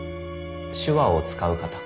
手話を使う方。